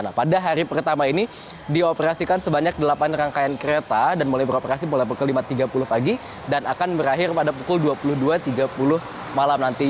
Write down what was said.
nah pada hari pertama ini dioperasikan sebanyak delapan rangkaian kereta dan mulai beroperasi mulai pukul lima tiga puluh pagi dan akan berakhir pada pukul dua puluh dua tiga puluh malam nanti